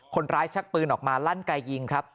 ชักปืนออกมาลั่นไกยิงครับ